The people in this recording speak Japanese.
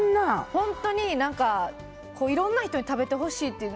本当にいろんな人に食べてほしい。